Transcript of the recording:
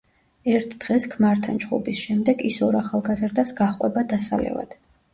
ერთ დღეს ქმართან ჩხუბის შემდეგ ის ორ ახალგაზრდას გაჰყვება დასალევად.